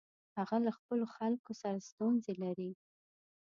هغه له خپلو خلکو سره ستونزې لري.